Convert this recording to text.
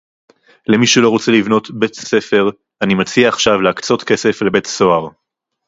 למי שלא רוצה לבנות בתי-ספר אני מציע עכשיו להקצות כסף לבתי-סוהר